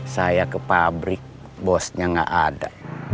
saya ke pabrik bosnya gak ada